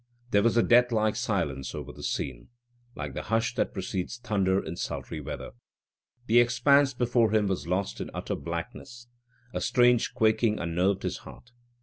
There was a deathlike silence over the scene, like the hush that precedes thunder in sultry weather. The expanse before him was lost in utter blackness. A strange quaking unnerved his heart.